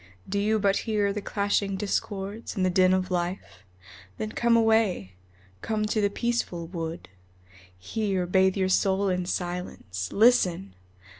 Do you but hear the clashing discords and the din of life? Then come away, come to the peaceful wood, Here bathe your soul in silence. Listen!